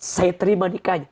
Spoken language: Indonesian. saya terima nikahnya